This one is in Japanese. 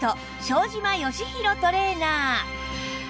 庄島義博トレーナー